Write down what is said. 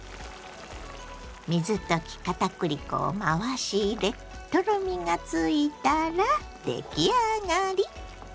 水溶き片栗粉を回し入れとろみがついたら出来上がり。